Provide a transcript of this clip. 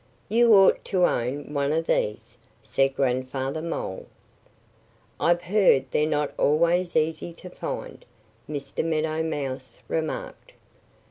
"You ought to own one of these," said Grandfather Mole. "I've heard they're not always easy to find," Mr. Meadow Mouse remarked.